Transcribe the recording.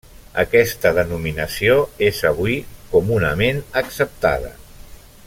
Aquesta denominació és avui comunament acceptada.